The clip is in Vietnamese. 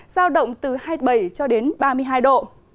giao động từ hai mươi bảy ba mươi hai độ